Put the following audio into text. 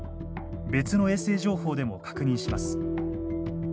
別の衛星情報でも確認します。